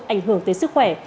ảnh hưởng tới sức khỏe